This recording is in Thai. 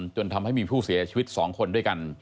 จนทำให้มีผู้เสียชีวิต๒คนด้วยกัน